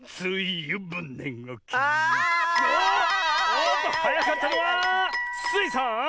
おっとはやかったのはスイさん！